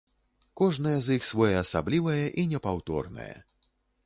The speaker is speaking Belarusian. Кожнае з іх своеасаблівае і непаўторнае.